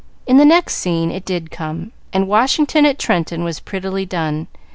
In the next scene it did come, and "Washington at Trenton" was prettily done.